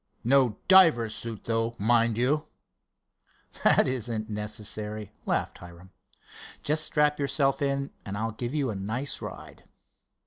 "No diver's suit, though, mind you." "That isn't necessary," laughed Hiram. "Just strap yourself in and I'll give you a nice ride."